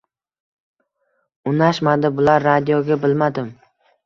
Unashmadi bular radioga, bilmadim.